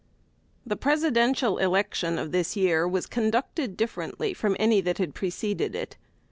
] The Presidential election of this year was conducted differently from any that had preceded it.